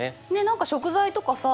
何か食材とかさ